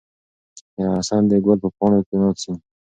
حسن د ګل په پاڼو کې ناڅي.